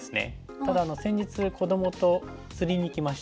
ただ先日子どもと釣りに行きまして。